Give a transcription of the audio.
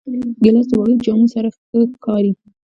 ګیلاس د وړو جامو سره ښکارېږي.